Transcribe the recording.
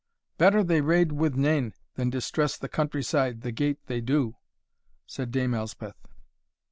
"Better they rade wi' nane than distress the country side the gate they do," said Dame Elspeth.